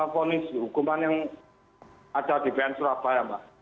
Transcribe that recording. fonis hukuman yang ada di bn surabaya mbak